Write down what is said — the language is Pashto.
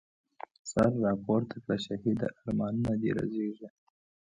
سر راپورته کړه شهیده، ارمانونه دي رژیږی